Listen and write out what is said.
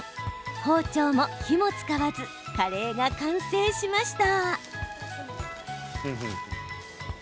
包丁も火も使わずカレーが完成しました。